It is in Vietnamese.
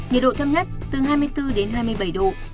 nhiệt độ thấp nhất từ hai mươi bốn đến hai mươi bảy độ